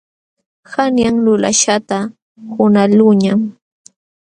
Qanyan lulaśhqata qunqaqluuñam.